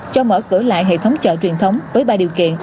cho mở cửa lại hệ thống chợ truyền thống với ba điều kiện